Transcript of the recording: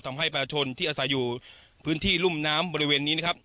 ทำให้ประชาชนที่อาศัยอยู่พื้นที่รุ่มน้ำบริเวณนี้นะครับ